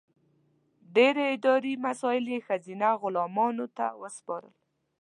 ډېر اداري مسایل یې ښځینه غلامانو ته وسپارل.